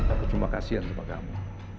aku terima kasihan kepada kamu